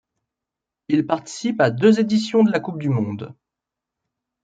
Il participe à deux éditions de la coupe du monde.